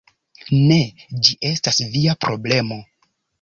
Ne, ĝi estas via problemo